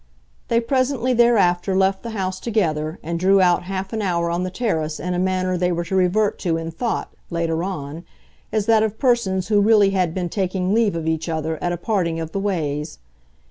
They presently thereafter left the house together and drew out half an hour on the terrace in a manner they were to revert to in thought, later on, as that of persons who really had been taking leave of each other at a parting of the ways.